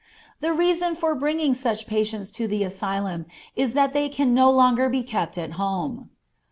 The reason for bringing such patients to the asylum is that they can no longer be kept at home.